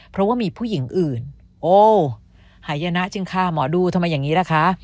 เพราะว่ามีผู้หญิงอื่นโอ้หายนะจริงค่ะหมอดูทำไมอย่างนี้ล่ะคะ